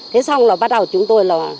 thế xong là bắt đầu chúng tôi là